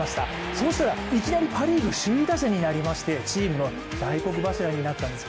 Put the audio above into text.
そしたらいきなりパ・リーグ首位打者になりまして、チームの大黒柱になったんです。